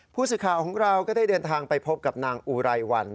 ผู้สื่อข่าวของเราก็ได้เดินทางไปพบกับนางอุไรวัน